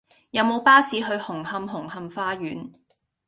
有無巴士去紅磡紅磡花園